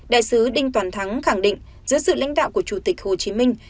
đại sứ đinh toàn thắng khẳng định giữa sự lãnh đạo của chủ tịch hồ chí minh